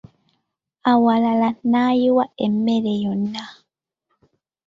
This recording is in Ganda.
Awalala n'ayiwa emmere yonna.